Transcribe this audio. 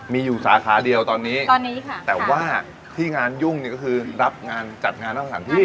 มีอยู่สาขาเดียวตอนนี้ตอนนี้ค่ะแต่ว่าที่งานยุ่งนี่ก็คือรับงานจัดงานนอกสถานที่